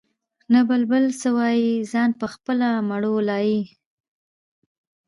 نه بلبل سوای ځان پخپله مړولای